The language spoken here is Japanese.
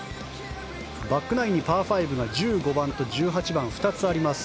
バックナインにパー５が１５番と１８番２つあります。